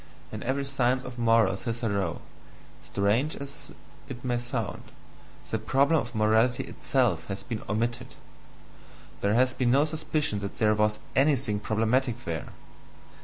In every "Science of Morals" hitherto, strange as it may sound, the problem of morality itself has been OMITTED: there has been no suspicion that there was anything problematic there!